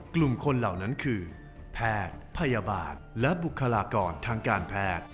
กลุ่มคนเหล่านั้นคือแพทย์พยาบาลและบุคลากรทางการแพทย์